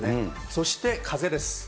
そして風です。